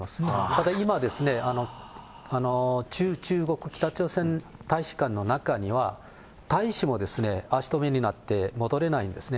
ただ、今ですね、駐中国北朝鮮大使館の中には、大使も足止めになって戻れないんですね。